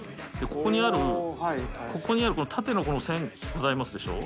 ここにある、ここにある縦のこの線がございますでしょう。